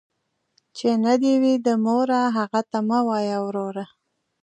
ـ چې نه دې وي، د موره هغه ته مه وايه وروره.